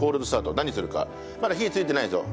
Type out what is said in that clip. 何するか。まだ火ついてないですよ。